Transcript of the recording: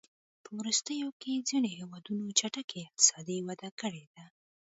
په وروستیو کې ځینو هېوادونو چټکې اقتصادي وده کړې ده.